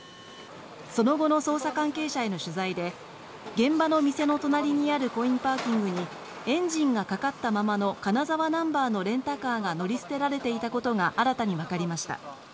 その後の捜査関係者への取材で現場の店の隣にあるコインパーキングにエンジンがかかったままの金沢ナンバーのレンタカーが乗り捨てられていたことが新たに分かりました。